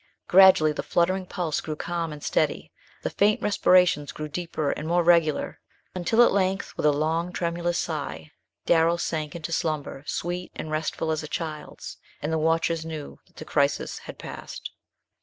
Gradually the fluttering pulse grew calm and steady, the faint respirations grew deeper and more regular, until at length, with a long, tremulous sigh, Darrell sank into slumber sweet and restful as a child's, and the watchers knew that the crisis had passed.